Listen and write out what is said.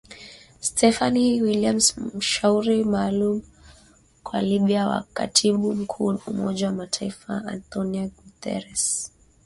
Stephanie Williams mshauri maalum kwa Libya wa katibu mkuu wa Umoja wa Mataifa Antonio Guterres,